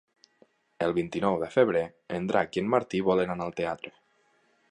El vint-i-nou de febrer en Drac i en Martí volen anar al teatre.